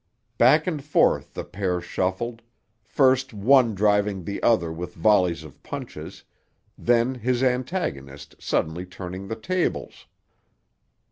Back and forth the pair shuffled, first one driving the other with volleys of punches, then his antagonist suddenly turning the tables.